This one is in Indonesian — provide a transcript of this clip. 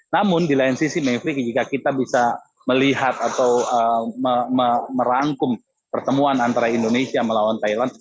namun di lain sisi mevri jika kita bisa melihat atau merangkum pertemuan antara indonesia melawan thailand